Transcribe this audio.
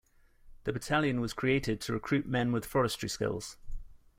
The battalion was created to recruit men with forestry skills.